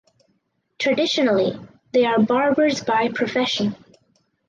Traditionally they are Barbers by Profession.